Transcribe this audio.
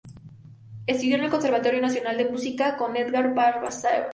Estudió en el Conservatorio Nacional de Música con Edgar Valcárcel.